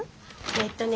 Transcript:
えっとね